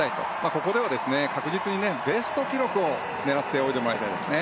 ここでは確実にベスト記録を狙って泳いでもらいたいですね。